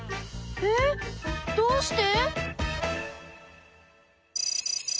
えっどうして？